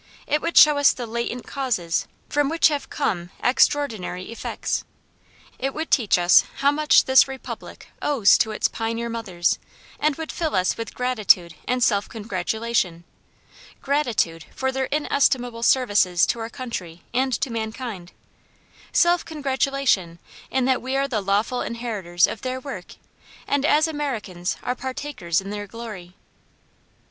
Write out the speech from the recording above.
It would show us the latent causes from which have come extraordinary effects. It would teach us how much this republic owes to its pioneer mothers, and would fill us with gratitude and self congratulation gratitude for their inestimable services to our country and to mankind, self congratulation in that we are the lawful inheritors of their work, and as Americans are partakers in their glory.